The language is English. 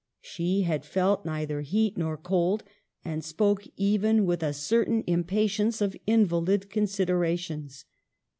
She had felt neither heat nor cold, and spoke even with a certain impatience of invalid considerations.